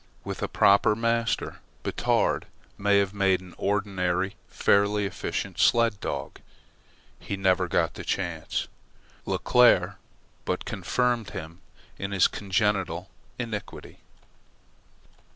With a proper master Batard might have made an ordinary, fairly efficient sled dog. He never got the chance: Leclere but confirmed him in his congenital iniquity.